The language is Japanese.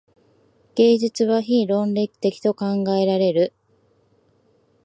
芸術は非論理的と考えられる。